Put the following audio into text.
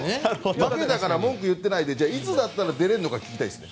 負けたらからって文句を言ってないでいつだったら出られるのか聞きたいですよね。